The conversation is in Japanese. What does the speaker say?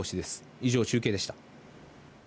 以上、中継でした。